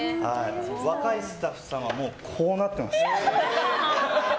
若いスタッフさんはもう、こうなってました。